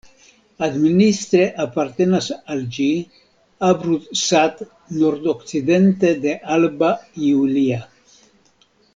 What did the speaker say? Administre apartenas al ĝi Abrud-Sat nordokcidente de Alba Iulia.